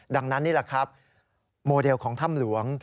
ดังนั้นนี่แหละครับโมเดลของถ้ำหลวง